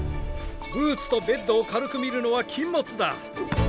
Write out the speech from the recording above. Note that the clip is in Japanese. ブーツとベッドを軽く見るのは禁物だ。